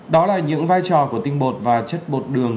đó là những vai trò của tinh bột và chất bột đường